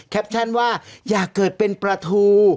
แคปตันต์ว่าอย่าเกิดเป็นปลาทู